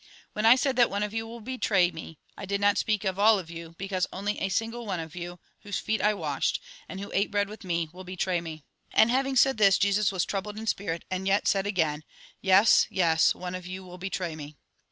When I said that one of you will betray me, I did not speak of all of you, because only a single one of you, whose feet I washed, and who ate bread with me, will betray me." And haviug said this, Jesus was troubled in spirit, and yet again said :" Yes, yes, one of you will betray me."